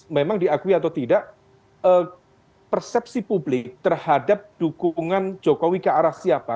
memang diakui atau tidak persepsi publik terhadap dukungan jokowi ke arah siapa